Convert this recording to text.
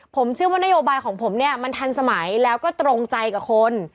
ผมเชื่อว่านโยบายของผมเนี่ยมันทันสมัยแล้วก็ตรงใจกับคน